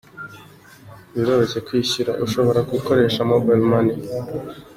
Biroroshye, kwishyura ushobora gukoresha Mobile Money.